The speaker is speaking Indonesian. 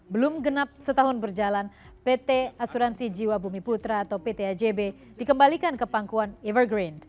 belum genap setahun berjalan pt asuransi jiwa bumi putra atau pt ajb dikembalikan ke pangkuan evergreen